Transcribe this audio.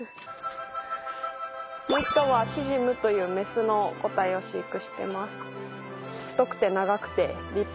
もう一頭はシジムというメスの個体を飼育してます。